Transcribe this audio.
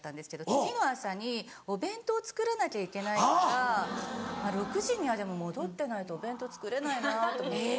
次の朝にお弁当作らなきゃいけないから６時にはでも戻ってないとお弁当作れないなと思って。